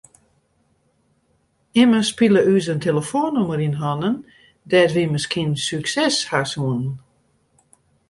Immen spile ús in telefoannûmer yn hannen dêr't wy miskien sukses hawwe soene.